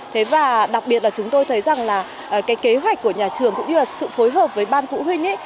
thế và đặc biệt là chúng tôi thấy rằng là cái kế hoạch của nhà trường cũng như là sự phối hợp với ban phụ huynh ấy